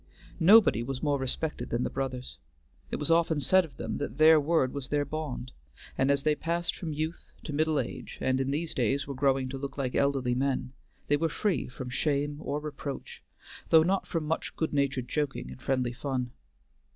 Nobody was more respected than the brothers. It was often said of them that their word was their bond, and as they passed from youth to middle age, and in these days were growing to look like elderly men, they were free from shame or reproach, though not from much good natured joking and friendly fun.